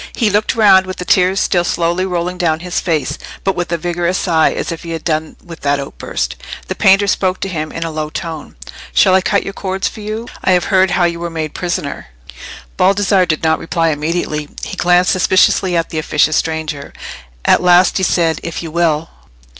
He looked round with the tears still slowly rolling down his face, but with a vigorous sigh, as if he had done with that outburst. The painter spoke to him in a low tone— "Shall I cut your cords for you? I have heard how you were made prisoner." Baldassarre did not reply immediately; he glanced suspiciously at the officious stranger. At last he said, "If you will."